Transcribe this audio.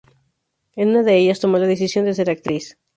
En una de ellas tomó la decisión de ser actriz.